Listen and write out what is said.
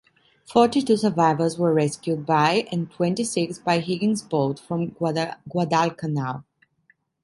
Forty-two survivors were rescued by and twenty-six by Higgins boats from Guadalcanal.